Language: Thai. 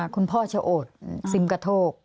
คุณพ่อเช่าโอธสิมกทก